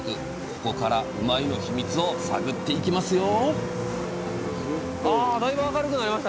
ここからうまいッ！のヒミツを探っていきますよ！